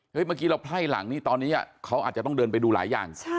เมื่อกี้เราไพ่หลังนี่ตอนนี้เขาอาจจะต้องเดินไปดูหลายอย่าง